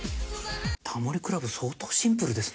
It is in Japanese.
『タモリ倶楽部』相当シンプルですね。